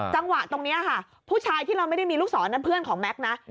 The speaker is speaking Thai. จังหวะตรงนี้ค่ะผู้ชายที่เราไม่ได้มีลูกศรนั้นเพื่อนของแม็กซ์นะ